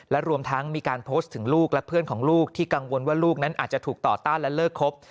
และรวมทั้งมีการโพสต์ถึงลูกและเพื่อนของลูกที่กังวลว่าลูกนั้นอาจจะถูกต่อต้านและเลิกครบ